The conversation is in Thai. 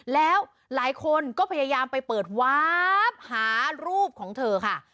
แล้วหลายคนก็พยายามไปเปิดวาบหารูปของเธอค่ะ